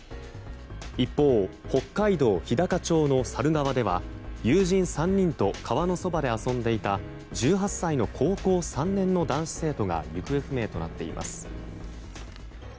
一方、北海道日高町の沙流川では友人３人と川のそばで遊んでいた１８歳の高校３年の男子生徒が行方不明となっています。